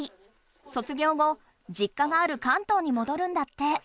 卒業後じっ家がある関東にもどるんだって。